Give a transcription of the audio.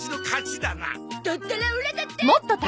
だったらオラだって！